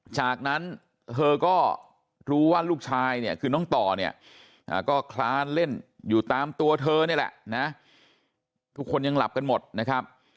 จากนั้นเธอก็รู้ว่าลูกชายเนี่ยคือน้องต่อเนี่ยก็คลานเล่นอยู่ตามตัวเธอนี่แหละนะทุกคนยังหลับกันหมดนะครับ